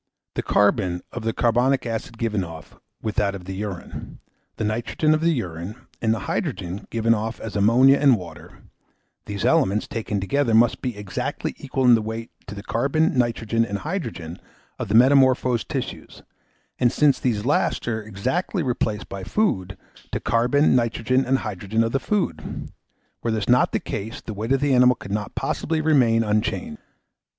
The carbon of the carbonic acid given off, with that of the urine; the nitrogen of the urine, and the hydrogen given off as ammonia and water; these elements, taken together, must be exactly equal in weight to the carbon, nitrogen, and hydrogen of the metamorphosed tissues, and since these last are exactly replaced by the food, to the carbon, nitrogen, and hydrogen of the food. Were this not the case, the weight of the animal could not possibly remain unchanged.